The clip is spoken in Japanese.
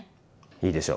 いいでしょ。